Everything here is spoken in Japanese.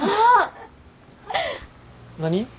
何？